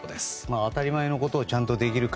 当たり前のことをちゃんとできるか